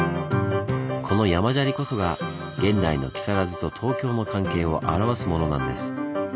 この山砂利こそが現代の木更津と東京の関係を表すものなんです。